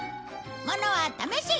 物は試し！